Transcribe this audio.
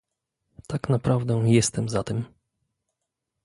Tak naprawdę jestem za tym